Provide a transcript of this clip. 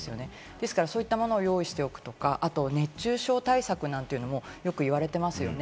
ですからそういったものを用意しておくとか、あと熱中症対策なんかもよく言われてますよね。